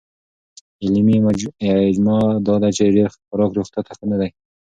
علمي اجماع دا ده چې ډېر خوراک روغتیا ته ښه نه دی.